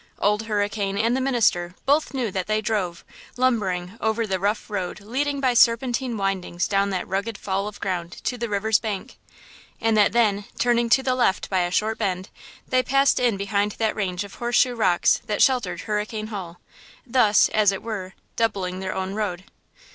Old Hurricane and the minister both knew that they drove, lumbering, over the rough road leading by serpentine windings down that rugged fall of ground to the river's bank, and that then, turning to the left by a short bend, they passed in behind that range of horse shoe rocks that sheltered Hurricane Hall–thus, as it were, doubling their own road.